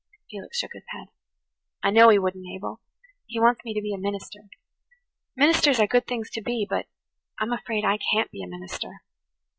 Felix shook his head. "I know he wouldn't, Abel. He wants me to be a minister. Ministers are good things to be, but I'm afraid I can't be a minister."